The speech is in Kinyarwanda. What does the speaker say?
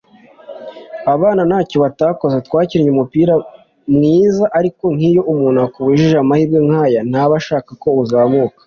abana ntacyo batakoze …Twakinnye umupira mwiza ariko nk’iyo umuntu akubujije amahirwe nk’aya ntaba ashaka ko uzamuka”